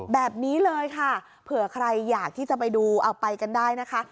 แบบนี้เลยค่ะเผื่อใครอยากที่จะไปดูเอาไปกันได้นะคะ